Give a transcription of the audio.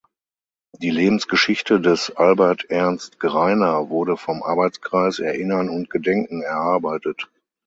Die Lebensgeschichte des Albert Ernst Greiner wurde vom Arbeitskreis "Erinnern und Gedenken" erarbeitet.